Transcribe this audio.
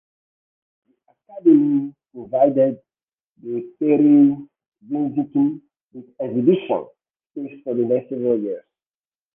The Academy provided the Peredvizhniki with exhibition space for the next several years.